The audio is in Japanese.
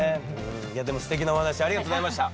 いやでもステキなお話ありがとうございました！